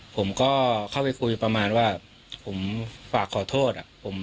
ผมก็เข้าไปคุยประมาณว่าผมฝากขอโทษ